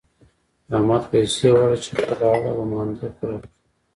احمد پيسې غواړي چې خپله اړه و مانده پوره کړي.